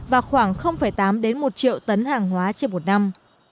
và khoảng tám một triệu tấn hàng hóa trên một năm